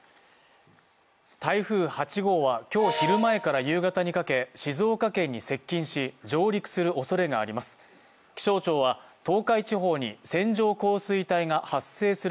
台風８号は今日昼前から夕方にかけ静岡県に接近し上陸するおそれがあります。